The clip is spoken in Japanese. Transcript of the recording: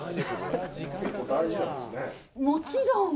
もちろん！